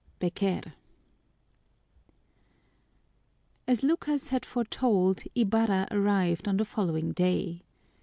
BECQUER. As Lucas had foretold, Ibarra arrived on the following day.